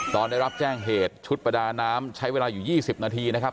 ตอนได้รับแจ้งเหตุชุดประดาน้ำใช้เวลาอยู่๒๐นาทีนะครับ